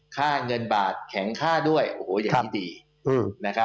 ค่าเงินบาทแข็งค่าด้วยโอ้โหอย่างนี้ดีนะครับ